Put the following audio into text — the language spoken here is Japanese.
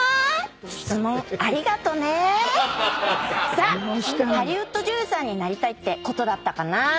さあハリウッド女優さんになりたいってことだったかな。